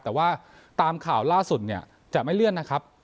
แต่ว่าตามข่าวล่าสุดเนี่ยจะไม่เลื่อนนะครับ